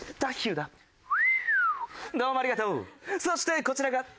そしてこちらが。